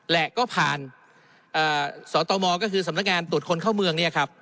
และก็ผ่านสตมก็คือสำนักงานตรวจคนเข้าเมืองเนี่ยครับ